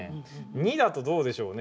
２だとどうでしょうね。